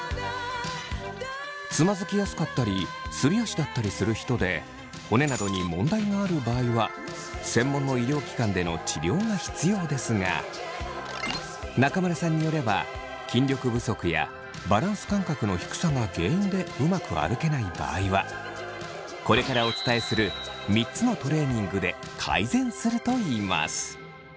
つまずきやすかったりすり足だったりする人で骨などに問題がある場合は専門の医療機関での治療が必要ですが中村さんによれば筋力不足やバランス感覚の低さが原因でうまく歩けない場合はこれからお伝えする３つのトレーニングで改善するといいます。